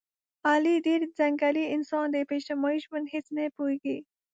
علي ډېر ځنګلي انسان دی، په اجتماعي ژوند هېڅ نه پوهېږي.